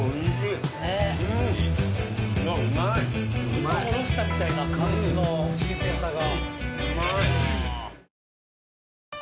今おろしたみたいな感じの新鮮さが。